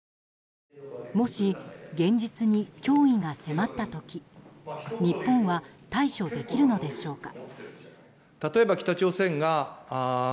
もし現実に脅威が迫った時日本は対処できるのでしょうか。